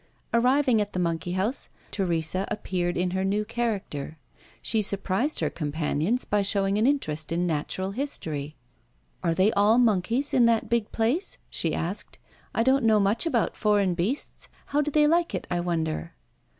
Arriving at the monkey house, Teresa appeared in a new character. She surprised her companions by showing an interest in natural history. "Are they all monkeys in that big place?" she asked. "I don't know much about foreign beasts. How do they like it, I wonder?"